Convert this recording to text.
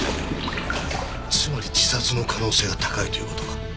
つまり自殺の可能性が高いという事か。